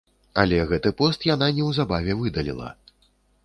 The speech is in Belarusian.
Але гэты пост яна неўзабаве выдаліла.